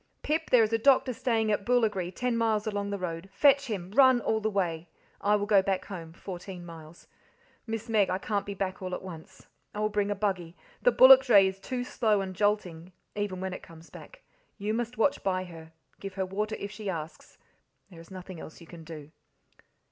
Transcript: "Pip, there is a doctor staying at Boolagri ten miles along the road. Fetch him run all the way. I will go back home fourteen miles. Miss Meg, I can't be back all at once. I will bring a buggy; the bullock dray is too slow and jolting, even when it comes back. You must watch by her, give her water if she asks there is nothing else you can do."